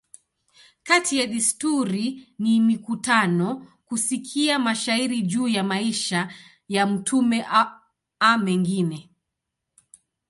Kati ya desturi ni mikutano, kusikia mashairi juu ya maisha ya mtume a mengine.